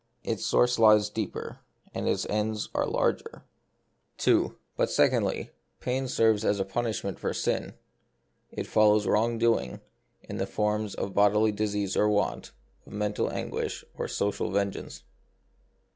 Its source lies deeper, and its ends are larger. 2. But, secondly, pain serves as a punishment for sin ; it follows wrongdoing, in the forms of bodily disease or want, of mental anguish, or social vengeance.